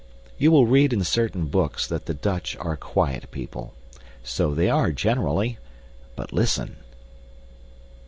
You will read in certain books that the Dutch are a quiet people so they are generally. But listen!